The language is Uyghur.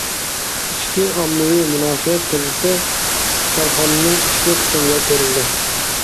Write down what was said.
ئىچكى ئاممىۋى مۇناسىۋەت كىرىزىسى كارخانىنىڭ ئىچكى قىسمىدىلا كۆرۈلىدۇ.